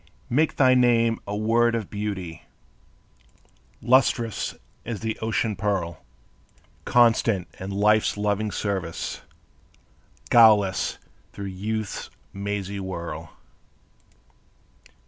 Make thy name a word of beauty Lustrous as the ocean pearl; Constant in life's loving service, Guileless through youth's mazy whirl.